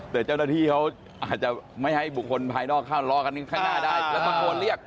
แต่เจ้าหน้าที่เขาอาจจะไม่ให้บุคคลภายนอกเข้ารอกันหนึ่งข้างหน้าได้